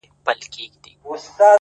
تا ولي په سوالونو کي سوالونه لټوله ـ